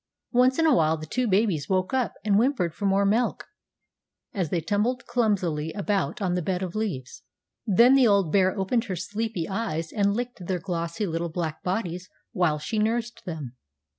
Once in a while the two babies woke up and whimpered for more milk, as they tumbled clumsily about on the bed of leaves. Then the old bear opened her sleepy eyes and licked their glossy little black bodies while she nursed them.